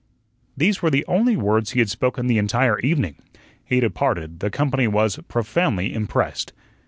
These were the only words he had spoken the entire evening. He departed; the company was profoundly impressed.